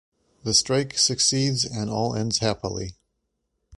The strike succeeds, and all ends happily.